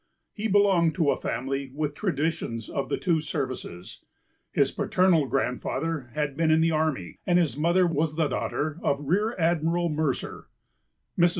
He belonged to a family with traditions of the two services. His paternal grandfather had been in the army, and his mother was a daughter of Rear Admiral Mercer. Mrs.